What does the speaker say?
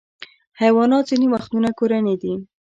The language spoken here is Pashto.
حیوانات ځینې وختونه کورني دي.